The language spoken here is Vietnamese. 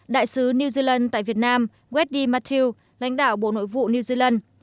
đại sứ new zealand tại việt nam wendy mathieu lãnh đạo bộ nội vụ new zealand